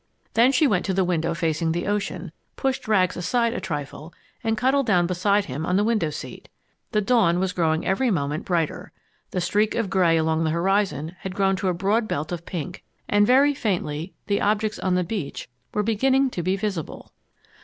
Then she went to the window facing the ocean, pushed Rags aside a trifle, and cuddled down beside him on the window seat. The dawn was growing every moment brighter. The streak of gray along the horizon had grown to a broad belt of pink, and very faintly the objects on the beach were beginning to be visible.